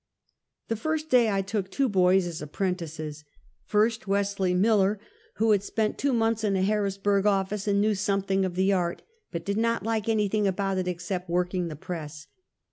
The first day I took two boys as apprentices. First, Wesley Miller, who had spent two months in a Har risburg office, and knew something of the art, but did not like anything about it except working the press.